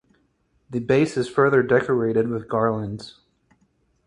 The base is further decorated with garlands.